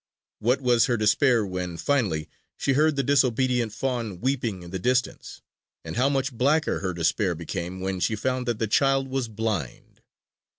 What was her despair when, finally, she heard the disobedient fawn weeping in the distance; and how much blacker her despair became when she found that the child was blind!